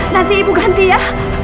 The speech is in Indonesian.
nanti ibu ganti ya